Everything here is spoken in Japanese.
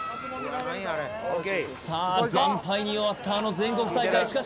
さあ惨敗に終わったあの全国大会しかし